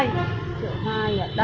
triệu hai ạ